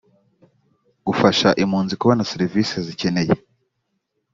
ufasha impunzi kubona serivise zikeneye